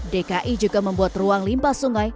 dki juga membuat ruang limpa sungai